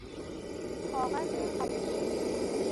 کاغذ پاپیروس